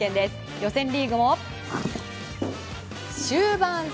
予選リーグも終盤戦。